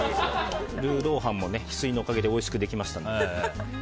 ルーロー飯もヒスイのおかげでおいしくできました。